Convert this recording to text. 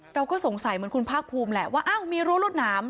เราก็สงสัยเหมือนคุณภาคภูมิแหละว่าอ้าวมีรั้วรวดหนาม